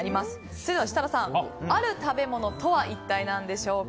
それでは設楽さんある食べ物とは一体なんでしょうか。